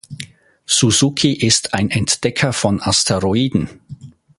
Suzuki ist ein Entdecker von Asteroiden.